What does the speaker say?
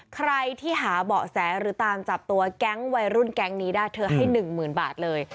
ใครที่หาเบาะแสหรือตามจับตัวแก๊งวัยรุ่นแก๊งนี้ได้เธอให้๑๐๐๐บาทเลย